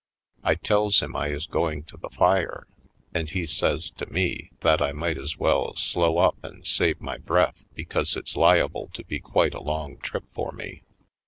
I tells him I is going to the fire. And he says to me that I might as well slow up and save my breath because it's liable to be quite a long trip for me.